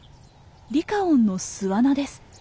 リカオンの巣穴です。